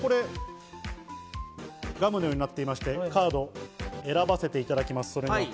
ガムのようになっていて、カードを選ばせていただきます。